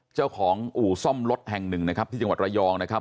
เจ้าของอู่ซ่อมรถแห่งหนึ่งนะครับที่จังหวัดระยองนะครับ